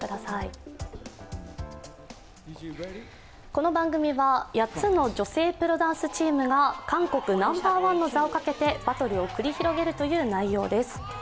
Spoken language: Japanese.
この番組は８つの女性プロダンサーチームが韓国ナンバーワンの座をかけてバトルを繰り広げるという内容です。